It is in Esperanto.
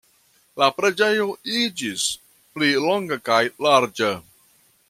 La preĝejo iĝis pli longa kaj larĝa.